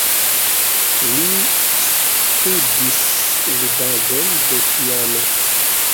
Li ŝtudis ludadon de piano.